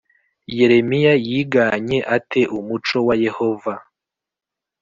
Yeremiya yiganye ate umuco wa Yehova